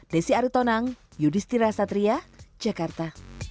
desi aritonang yudhistira satria jakarta